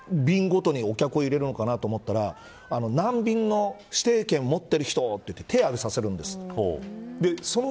どうやって便ごとにお客を入れるのかなと思ったら何便の指定券を持ってる人と言って手を上げさせるんです。